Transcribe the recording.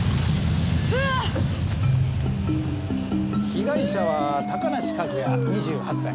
被害者は高梨一弥２８歳。